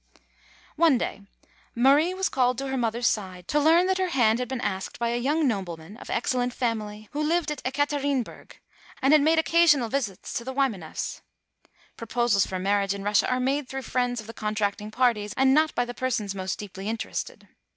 One day Marie was called to her mother's side to learn that her hand had been asked by a young nobleman of excellent family, who lived at Ekater inburg, and had made occasional visits to the Wymaneffs. Proposals for marriage in Russia are made through friends of the contracting parties, and not by the persons most deeply interested.